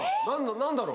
何だろう？